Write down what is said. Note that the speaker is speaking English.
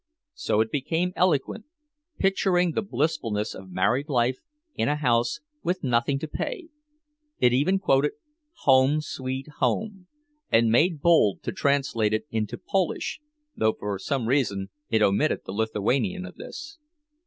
—So it became eloquent, picturing the blissfulness of married life in a house with nothing to pay. It even quoted "Home, Sweet Home," and made bold to translate it into Polish—though for some reason it omitted the Lithuanian of this.